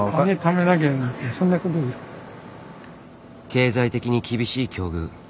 経済的に厳しい境遇。